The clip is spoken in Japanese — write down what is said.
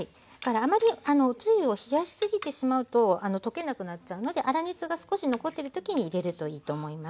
あまりおつゆを冷やしすぎてしまうと溶けなくなっちゃうので粗熱が少し残ってる時に入れるといいと思います。